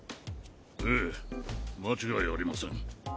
ええ間違いありません。